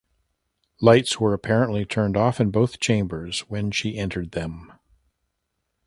Lights were apparently turned off in both chambers when she entered them.